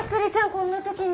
こんな時に。